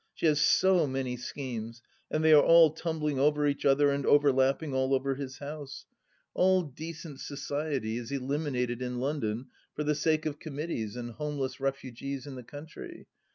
She has so many schemes, and they are all tumbling over each other and overlapping all over his house. All decent THE LAST DITCH 197 society is eliminated in London for the sake of committees and homeless refugees in the country.